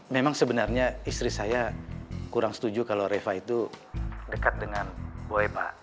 memang sebenarnya istri saya kurang setuju kalau reva itu dekat dengan boy pak